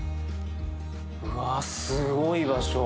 うわすごい場所。